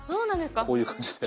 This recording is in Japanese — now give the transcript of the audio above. こういう感じで。